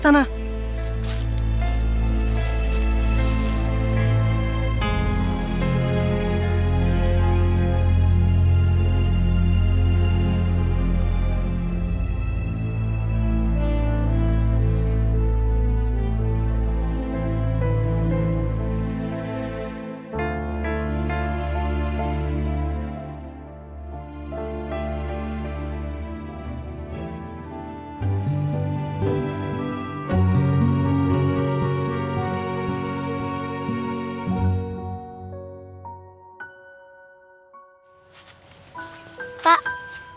sampai jumpa lagi